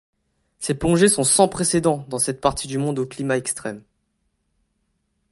Ces plongées sont sans précédent dans cette partie du monde au climat extrême.